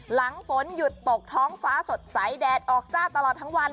หลังฝนหยุดตกท้องฟ้าสดใสแดดออกจ้าตลอดทั้งวัน